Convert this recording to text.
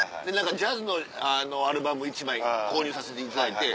ジャズのアルバム１枚購入させていただいて。